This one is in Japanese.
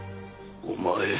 お前。